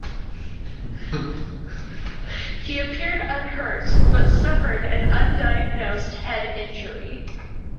He appeared unhurt, but suffered an undiagnosed head injury.